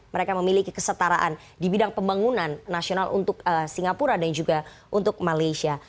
mereka memiliki kesetaraan di bidang pembangunan nasional untuk singapura dan juga untuk malaysia